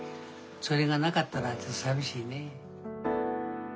それがなかったらちょっと寂しいね。